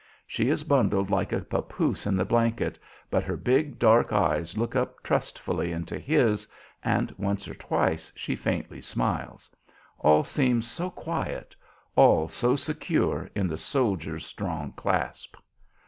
She is bundled like a pappoose in the blanket, but her big, dark eyes look up trustfully into his, and once or twice she faintly smiles. All seems so quiet; all so secure in the soldier's strong clasp.